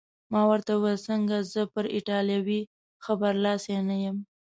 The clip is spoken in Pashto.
ما ورته وویل: څنګه، زه پر ایټالوي ښه برلاسی نه یم؟